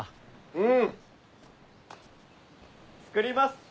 うん！作ります！